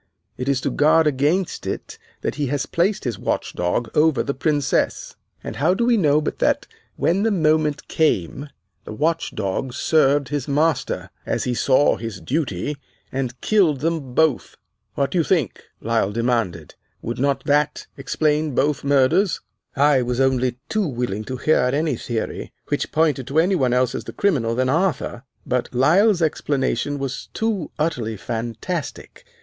It is to guard against it that he has placed his watchdog over the Princess, and how do we know but that, when the moment came, the watchdog served his master, as he saw his duty, and killed them both? What do you think?' Lyle demanded. 'Would not that explain both murders?' [Illustration: 15 Entreating Chetney not to leave her] "I was only too willing to hear any theory which pointed to any one else as the criminal than Arthur, but Lyle's explanation was too utterly fantastic.